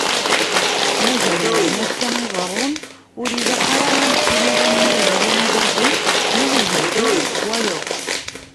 Ma gar wayen akka iḍerrun, ur ilaq ara ad neqqim alamma yeɣli udabu neɣ ibeddel wayeḍ.